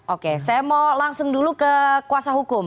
oke saya mau langsung dulu ke kuasa hukum